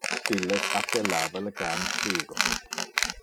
Illes appellava le can Siro.